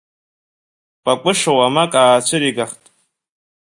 Кәыкәыша уамак аацәыригахт.